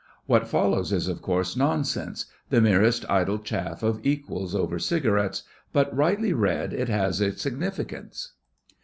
What follows is, of course, nonsense—the merest idle chaff of equals over cigarettes; but rightly read it has its significance.